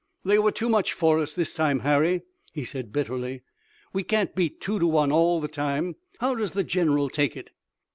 "They were too much for us this time, Harry," he said bitterly. "We can't beat two to one all the time. How does the general take it?"